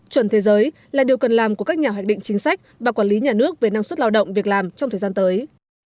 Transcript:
chuẩn thế giới là điều cần làm của các nhà hoạch định chính sách và quản lý nhà nước về năng suất lao động việc làm trong thời gian tới